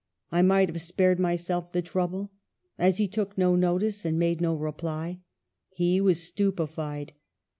I might have spared myself the trouble, as he took no notice, and made no reply ; he was stupefied.